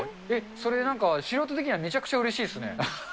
それ、なんか素人的にはめちゃくちゃうれしいですね。